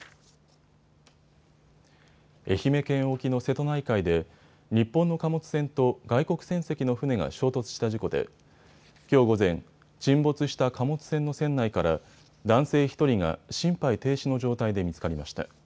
愛媛県沖の瀬戸内海で日本の貨物船と外国船籍の船が衝突した事故できょう午前、沈没した貨物船の船内から男性１人が心肺停止の状態で見つかりました。